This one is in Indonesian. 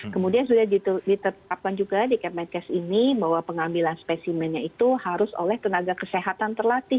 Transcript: kemudian sudah ditetapkan juga di kemenkes ini bahwa pengambilan spesimennya itu harus oleh tenaga kesehatan terlatih